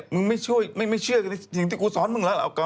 มึงไม่เชื่อในสิ่งที่กูซ้อนมึงแล้ว